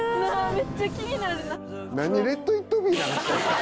めっちゃ気になる。